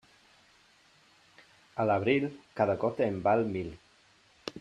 A l'abril, cada gota en val mil.